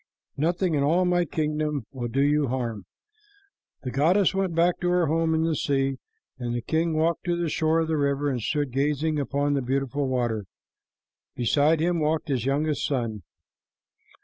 Nothing in all my kingdom will do you harm." The goddess went back to her home in the sea, and the king walked to the shore of the river and stood gazing upon the beautiful water. Beside him walked his youngest son.